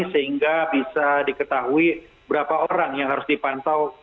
sehingga bisa diketahui berapa orang yang harus dipantau